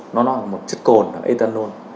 nó là một chất cồn là etanol